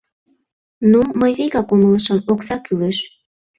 Ну, мый вигак умылышым: окса кӱлеш.